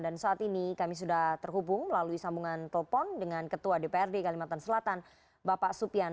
dan saat ini kami sudah terhubung melalui sambungan telepon dengan ketua dprd kalimantan selatan bapak supian